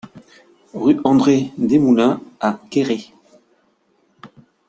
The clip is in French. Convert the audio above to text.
Rue André Desmoulins à Guéret